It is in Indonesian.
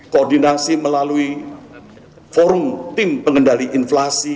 koordinasi melalui forum tim pengendali inflasi